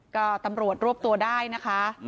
ก็ตำรวจรวบตัวได้นะคะ